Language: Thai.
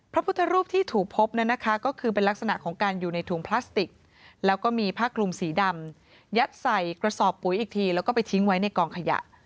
พระพุทธรูปที่ถูกพบก็คือเป็นลักษณะของการอยู่ในถุงพลาสติกแล้วก็มีผ้าคลุมสีดำยัดใส่กระสอบปุ๋ยอีกทีแล้วก็ไปทิ้งไว้ในกองขยะ